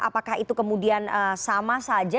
apakah itu kemudian sama saja